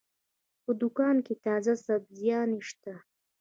په دوکان کې تازه سبزيانې شته.